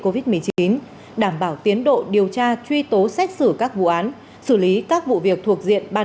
covid một mươi chín đảm bảo tiến độ điều tra truy tố xét xử các vụ án xử lý các vụ việc thuộc diện ban